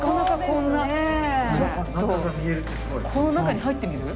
この中に入ってみる？